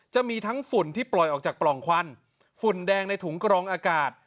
จะมีทั้งฝุ่นที่ปล่อยออกจากปล่องควันฝุ่นแดงในถุงกรองอากาศ